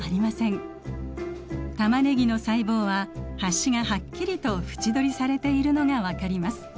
タマネギの細胞は端がはっきりと縁取りされているのが分かります。